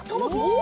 お！